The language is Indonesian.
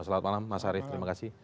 selamat malam mas arief terima kasih